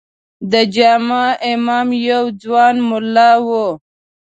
د جامع امام یو ځوان ملا و.